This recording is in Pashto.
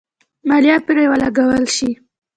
مالیه پرې ولګول شي.